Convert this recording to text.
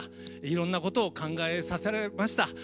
いろんなことを考えさせられました。